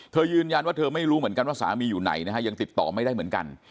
ยืนยันว่าเธอไม่รู้เหมือนกันว่าสามีอยู่ไหนนะฮะยังติดต่อไม่ได้เหมือนกัน